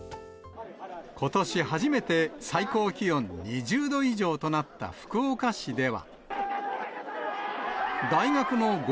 ことし初めて最高気温２０度以上となった福岡市では。